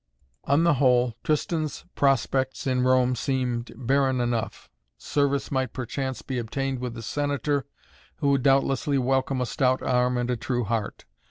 On the whole, Tristan's prospects in Rome seemed barren enough. Service might perchance be obtained with the Senator, who would doubtlessly welcome a stout arm and a true heart.